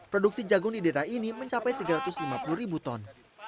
produksi jagung di desa ini mencapai tiga ratus lima puluh ribu ton